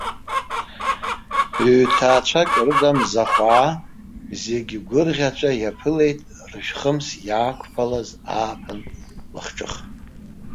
Ҩ-ҭаацәак рыда мзахәаа зегьы гәырӷьаҵәа иаԥылеит рышәхымс иаақәԥалаз ааԥын лахҿых.